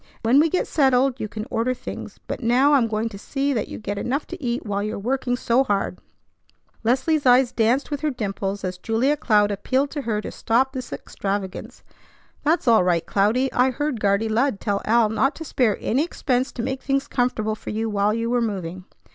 When we get settled, you can order things; but now I'm going to see that you get enough to eat while you're working so hard." Leslie's eyes danced with her dimples as Julia Cloud appealed to her to stop this extravagance. "That's all right, Cloudy. I heard Guardy Lud tell Al not to spare any expense to make things comfortable for you while you were moving."